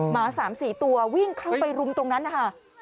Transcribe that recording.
หมา๓๔ตัววิ่งเข้าไปรุมตรงนั้นนะคะ